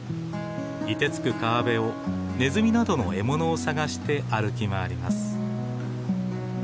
いてつく川辺をネズミなどの獲物を探して歩き回ります。